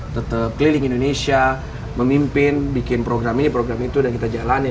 tetap keliling indonesia memimpin bikin program ini program itu dan kita jalanin